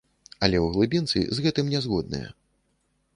Але ў глыбінцы з гэтым не згодныя.